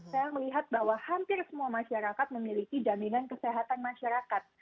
saya melihat bahwa hampir semua masyarakat memiliki jaminan kesehatan masyarakat